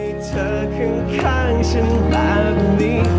วันนี้มีเธอขึ้นข้างฉันแบบนี้